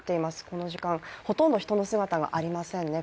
この時間、ほとんど人の姿がありませんね。